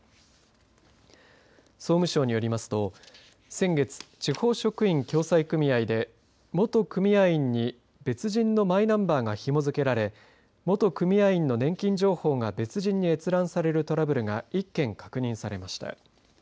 総務省によりますと先月、地方職員共済組合で元組合員に別人のマイナンバーがひも付けられ元組合員の年金情報が別人に閲覧されるトラブルが１件確認されました。